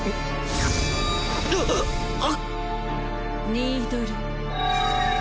ニードル。